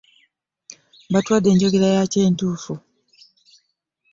Batuwadde enjogera yakyo entuufu.